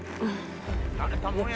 慣れたもんやね。